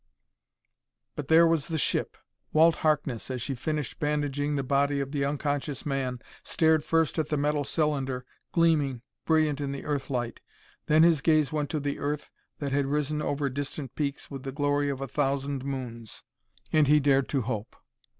But there was the ship! Walt Harkness, as she finished bandaging the body of the unconscious man, stared first at the metal cylinder, gleaming, brilliant in the Earthlight; then his gaze went to the Earth that had risen over distant peaks with the glory of a thousand moons. And he dared to hope.